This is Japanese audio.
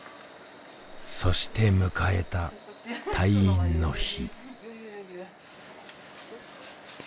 そして迎えた退院の日。